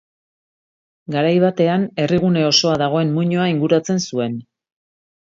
Garai batean herrigune osoa dagoen muinoa inguratzen zuen.